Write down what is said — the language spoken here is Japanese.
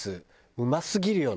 うますぎるよね。